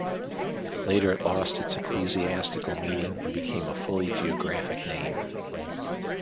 Later it lost its ecclesiastical meaning and became a fully geographic name.